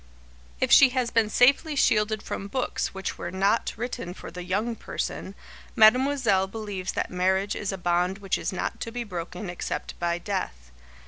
If she has been safely shielded from books which were not written for The Young Person, Mademoiselle believes that marriage is a bond which is not to be broken except by death.